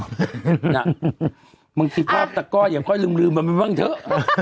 นะมึงที่ครอบตะกอจอย่าค่อยลืมมาบ้างเถอะ